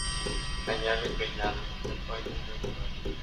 Añade peinados, ropa y un nuevo rasgo.